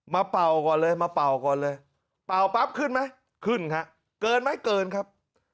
เป่าก่อนเลยมาเป่าก่อนเลยเป่าปั๊บขึ้นไหมขึ้นฮะเกินไหมเกินครับ